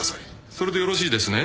それでよろしいですね？